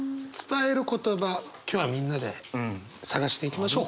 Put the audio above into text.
今日はみんなで探していきましょう。